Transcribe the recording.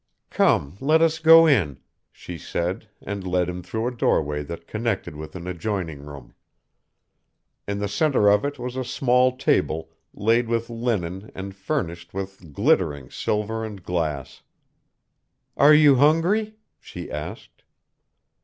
"Come, let us go in," she said, and led him through a doorway that connected with an adjoining room. In the center of it was a small table laid with linen and furnished with glittering silver and glass. "Are you hungry?" she asked.